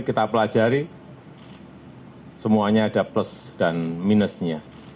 kita pelajari semuanya ada plus dan minusnya